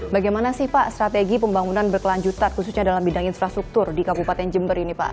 bagaimana sih pak strategi pembangunan berkelanjutan khususnya dalam bidang infrastruktur di kabupaten jember ini pak